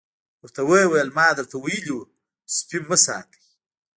ورته ویې ویل ما درته ویلي وو سپي مه ساتئ.